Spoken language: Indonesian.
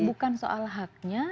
bukan soal haknya